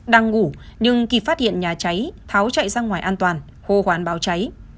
đang ngủ nhưng kịp phát hiện nhà cháy tháo chạy ra ngoài an toàn hô hoán báo cháy